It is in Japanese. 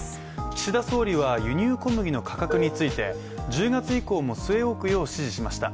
岸田総理は輸入小麦の価格について１０月以降も据え置くよう指示しました。